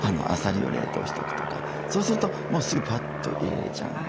そうするともうすぐパッと入れれちゃうんで。